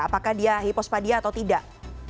apakah dia hipospadia atau tidak